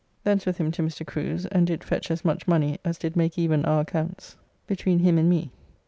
Thence with him to Mr. Crew's, and did fetch as much money as did make even our accounts between him and me.